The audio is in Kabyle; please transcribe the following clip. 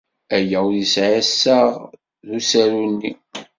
Aya ur yesɛi assaɣ ed usaru-nni.